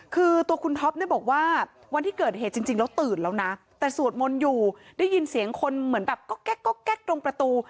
คือตัวคุณท็อปเนี่ยบอกว่าวันที่เกิดเหตุจริงแล้วตื่นแล้วนะแต่สวดมนต์อยู่ได้ยินเสียงคนเหมือนแบบก๊อกแก๊กตรงประตู